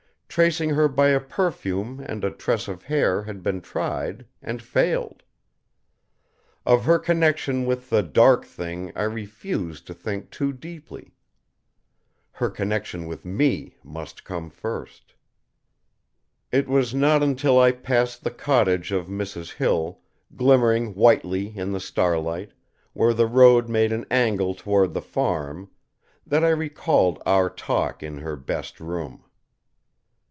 Tracing her by a perfume and a tress of hair had been tried, and failed. Of her connection with the Dark Thing I refused to think too deeply. Her connection with me must come first. It was not until I passed the cottage of Mrs. Hill, glimmering whitely in the starlight, where the road made an angle toward the farm, that I recalled our talk in her "best room."